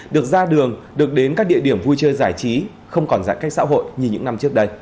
được ra đường được đến các địa điểm vui chơi giải trí không còn giãn cách xã hội như những năm trước đây